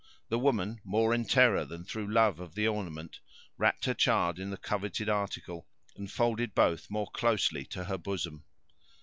The woman, more in terror than through love of the ornament, wrapped her child in the coveted article, and folded both more closely to her bosom.